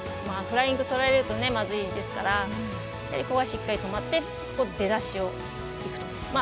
フライング取られるとまずいですからここはしっかり止まって出だしを行くと。